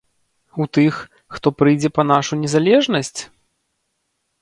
У тых, хто прыйдзе па нашу незалежнасць?